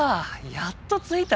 やっと着いた。